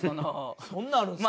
そんなのあるんですか？